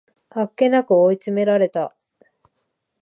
あっけなく追い詰められた